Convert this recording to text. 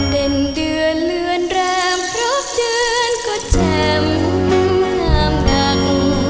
เด็นเดือนเลือนแรมรอบเดือนก็แจ่มห้ามดัง